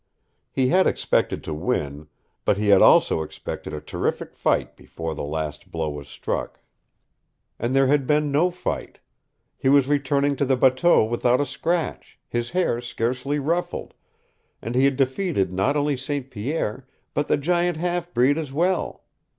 He had expected to win, but he had also expected a terrific fight before the last blow was struck. And there had been no fight! He was returning to the bateau without a scratch, his hair scarcely ruffled, and he had defeated not only St. Pierre, but the giant half breed as well!